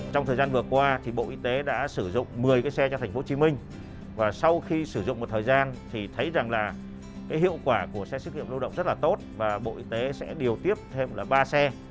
trong thời gian vừa qua thì bộ y tế đã sử dụng một mươi cái xe cho tp hcm và sau khi sử dụng một thời gian thì thấy rằng là cái hiệu quả của xe xét nghiệm lưu động rất là tốt và bộ y tế sẽ điều tiếp thêm là ba xe